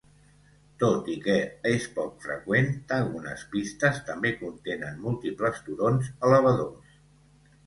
Tot i que és poc freqüent, algunes pistes també contenen múltiples turons elevadors.